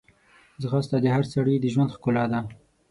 ځغاسته د هر سړي د ژوند ښکلا ده